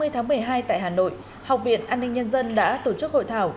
tại hà nội học viện an ninh nhân dân đã tổ chức hội thảo